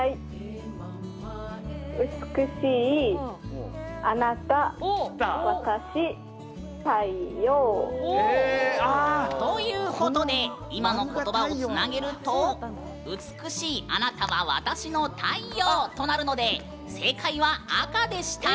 美しい、あなた私、太陽。ということで今のことばをつなげると美しいあなたは私の太陽となるので正解は赤でした。